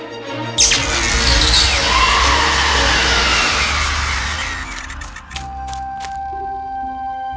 tempat di mana tidak ada sihirmu yang akan bekerja